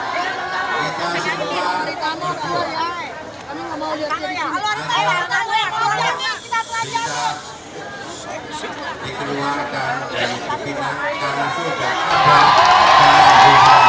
dikeluarkan dari kepintang karena sudah ada penangguhan penahanan